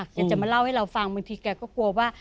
แกจะมาเล่าให้เราฟังบางทีแกก็กลัวว่า